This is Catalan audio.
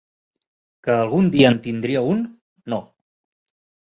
Que algun dia en tindria un, no.